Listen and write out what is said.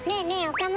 岡村。